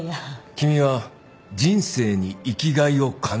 君は人生に生きがいを感じてみたい